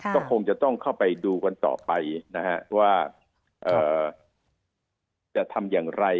ก็คงจะต้องเข้าไปดูกันต่อไปนะฮะว่าจะทำอย่างไร